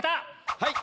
はい！